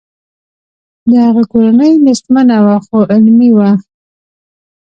د هغه کورنۍ نیستمنه وه خو علمي وه